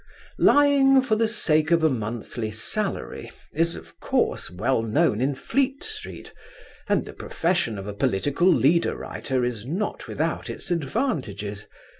Lying for the sake of a monthly salary is of course well known in Fleet Street, and the profession of a political leader writer is not without its advantages.